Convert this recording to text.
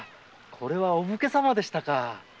これはお武家様でしたか。